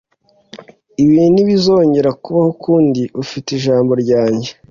Ibi ntibizongera kubaho ukundi. Ufite ijambo ryanjye.